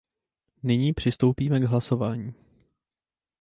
Nyní přistoupíme k hlasování.